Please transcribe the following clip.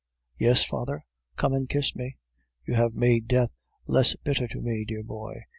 "'Yes, father.' "'Come and kiss me. You have made death less bitter to me, dear boy.